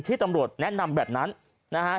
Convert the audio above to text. ตำรวจแนะนำแบบนั้นนะฮะ